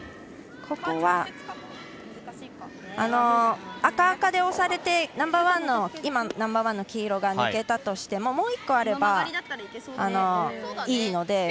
ここは赤、赤で押されてナンバーワンの黄色が抜けたとしてももう１個あればいいので。